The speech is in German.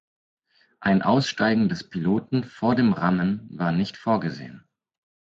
Ein Aussteigen des Piloten vor dem Rammen war nicht vorgesehen.